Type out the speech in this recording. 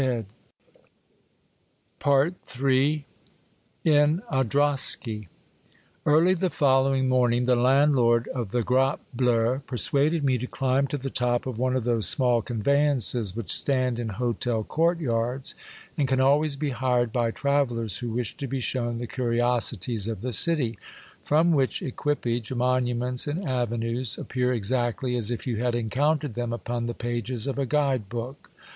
The Blind Emperor, 311 III. IN A DROSKY. Early the following morning, the landlord of the Grappe Bleue persuaded me to climb to the top of one of those small conveyances which stand in hotel courtyards, and can always be hired by trav ellers who wish to be shown the curiosities of the city, from which equipage monuments and avenues appear exactly as if you had encountered them upon the pages of a guide book.